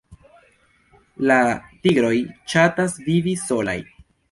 La tigroj ŝatas vivi solaj.